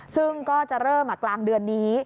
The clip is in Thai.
ซึ่งก็จะเริ่มกลางเดือนนี้